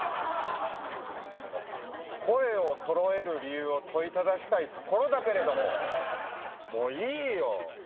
その声を揃える理由を問いただしたいところだけれどももういいよお取り換えしてよ